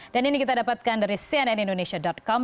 dan ini kita dapatkan dari cnnindonesia com